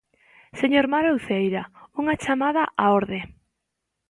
Señor Mario Uceira, unha chamada á orde.